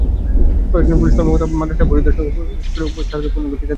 পরে একজন পুলিশ কর্মকর্তা মাদ্রাসা পরিদর্শন করে অনুপস্থিত ছাত্রদের পূর্ণাঙ্গ ঠিকানা চেয়েছেন।